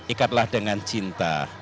ikatlah dengan cinta